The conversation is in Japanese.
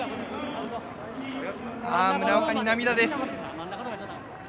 村岡に涙です。